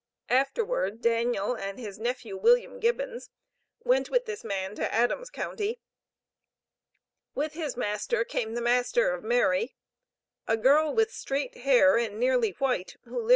Afterward, Daniel and his nephew, William Gibbons, went with this man to Adams county. With his master came the master of Mary, a girl with straight hair, and nearly white, who lived with Daniel Gibbons and his wife.